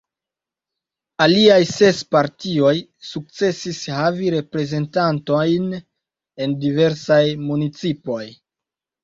Aliaj ses partioj sukcesis havi reprezentantojn en diversaj municipoj.